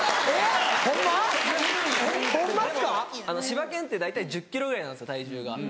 柴犬って大体１０ｋｇぐらいなんですよ体重が。